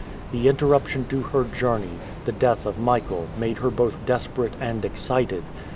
The interruption to her journey, the death of Michael, made her both desperate and excited.